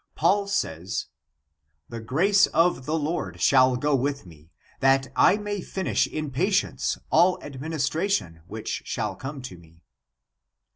Paul says :" The grace of the Lord shall go with me, that I may finish in patience all administration, which shall come to me."